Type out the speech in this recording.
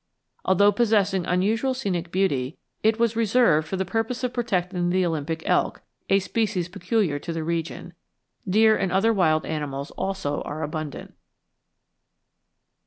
Although possessing unusual scenic beauty, it was reserved for the purpose of protecting the Olympic elk, a species peculiar to the region. Deer and other wild animals also are abundant.